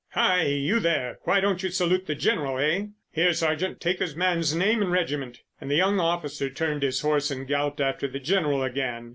"Hi! You there! Why don't you salute the General, eh? Here, sergeant, take this man's name and regiment." And the young officer turned his horse and galloped after the General again.